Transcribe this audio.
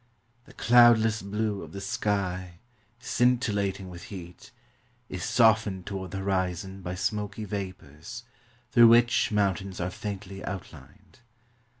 The cloudless blue of the sky, scintillating with heat, is softened toward the horizon by smoky vapors, through which moun tains are faintly outlined.